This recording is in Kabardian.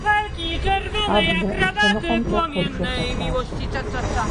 Къаблэ лъэныкъуэмкӀэ куэбжэ хэлъащ.